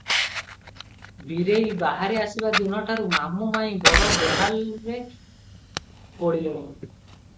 ବୀରେଇ ବାହାରି ଆସିବା ଦିନ ଠାରୁ ମାମୁ ମାଇଁ ବଡ ବେହାଲରେ ପଡିଲେଣି ।